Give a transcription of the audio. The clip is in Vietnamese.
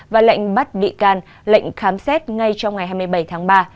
và lệnh bắt bị can lệnh khám xét ngay trong ngày hai mươi bảy tháng ba